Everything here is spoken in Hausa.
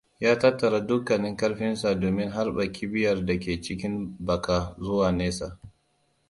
Ya tattara dukkan ƙarfinsa domin harba kibiyar dake cikin baka zuwa nesa.